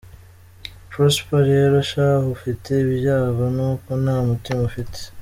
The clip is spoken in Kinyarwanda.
Prosper rero shahu, ufite ibyago n’uko nta mutima ufite !